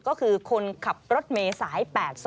ก็คือคนขับรถเมย์สาย๘๒